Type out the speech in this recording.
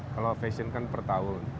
kalau fashion kan per tahun